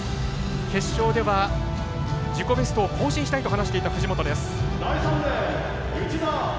決勝では、自己ベストを更新したいと話していた藤本です。